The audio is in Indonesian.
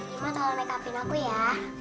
ima tolong makeupin aku ya